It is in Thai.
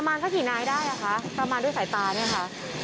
มาสักกี่นายได้อ่ะคะประมาณด้วยสายตาเนี่ยค่ะ